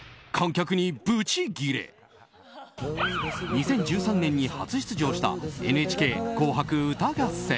２０１３年に初出場した「ＮＨＫ紅白歌合戦」。